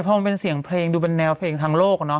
พอมันเป็นเสียงเพลงดูเป็นแนวเพลงทางโลก